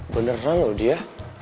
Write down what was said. beneran loh dia